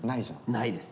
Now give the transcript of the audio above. ないです。